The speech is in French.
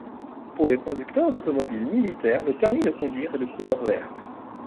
Pour les conducteurs d'automobiles militaires, le permis de conduire est de couleur verte.